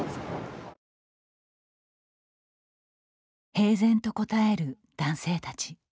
平然と答える男性たち。